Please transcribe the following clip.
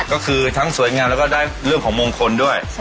ก็คือทั้งสวยงามแล้วก็ได้เรื่องของมงคลด้วย